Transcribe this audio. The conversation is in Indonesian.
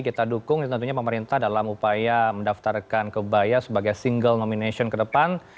kita dukung tentunya pemerintah dalam upaya mendaftarkan kebaya sebagai single nomination ke depan